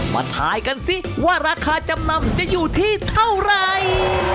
มาทายกันสิว่าราคาจำนำจะอยู่ที่เท่าไหร่